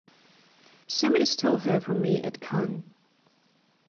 Somebody stole her from me at Cannes.